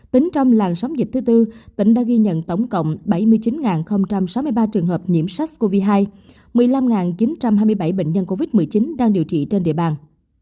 tính trong làng sóng dịch thứ tư tỉnh đã ghi nhận tổng cộng bảy mươi chín sáu mươi ba trường hợp nhiễm sars cov hai một mươi năm chín trăm hai mươi bảy bệnh nhân covid một mươi chín đang điều trị trên địa bàn